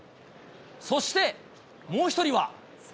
そしてもう１人は。